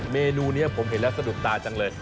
เมนูนี้ผมเห็นแล้วสะดุดตาจังเลย